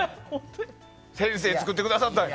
先生、作ってくださったので。